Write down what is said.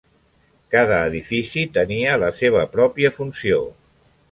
Cada edifici tenia la seva pròpia funció.